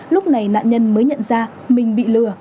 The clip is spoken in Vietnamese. lúc này nạn nhân mới nhận ra mình bị lừa